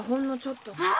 あ！